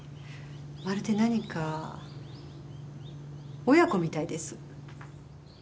まるで何か親子みたいです。